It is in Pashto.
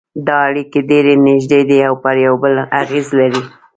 دا اړیکې ډېرې نږدې دي او پر یو بل اغېز لري